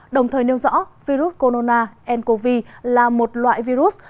đồng thời nêu rõ virus corona ncov là một loại virus